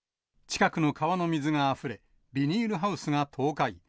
近くの川の水があふれ、ビニールハウスが倒壊。